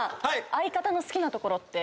相方の好きなところって。